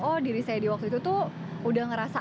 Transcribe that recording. oh diri saya di waktu itu tuh udah ngerasa